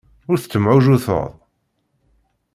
Ur tettemɛujjuteḍ.